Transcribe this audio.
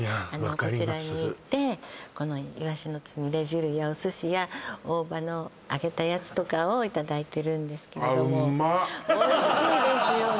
こちらに行ってこのイワシのつみれ汁やお寿司や大葉の揚げたやつとかをいただいてるんですけれどもおいしいですよね